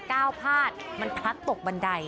ก้าวพาดมันพลัดตกบันได